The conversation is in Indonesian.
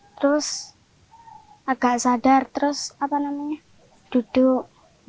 terus agak sadar terus duduk